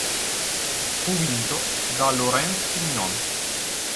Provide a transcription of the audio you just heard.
Fu vinto da Laurent Fignon.